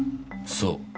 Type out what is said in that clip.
そう。